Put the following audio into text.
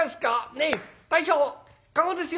ねっ大将駕籠ですよ」。